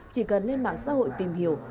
chỉ cần lên mạng xã hội tìm hiểu